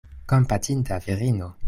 Kompatinda virino!